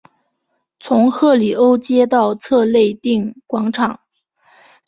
从赫里欧街到策肋定广场。